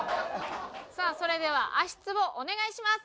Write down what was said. さあそれでは足ツボお願いします。